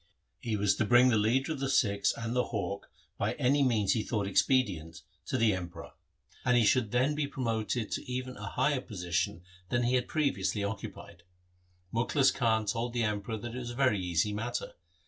He was to bring the leader of the Sikhs and the hawk by any means he thought expedient to the Emperor ; and he should then be promoted to even a higher position than he had previously occupied. Mukhlis Khan told the Emperor that it was a very easy matter.